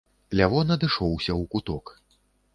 Лявон адышоўся ў куток.